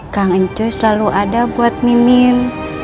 kak nenco selalu ada buat mimin